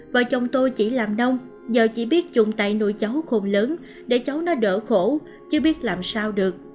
vợ chồng tôi chỉ làm nông giờ chỉ biết dùng tay nùi cháu khôn lớn để cháu nó đỡ khổ chưa biết làm sao được